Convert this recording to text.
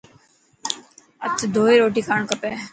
هٿ ڌوئي روٽي کاڻ کپي.